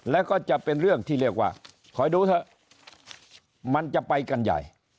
แล้วก็จะเป็นเรื่องที่เรียกว่าคอยดูเถอะมันจะไปกันใหญ่